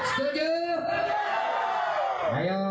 sekarang kita pulang setuju